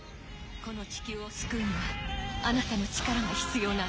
この地球を救うには、あなたの力が必要なの。